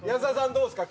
どうですか？